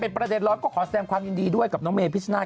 เป็นประเด็นร้อนก็ขอแสดงความยินดีด้วยกับเน้นเมย์พิชนาศ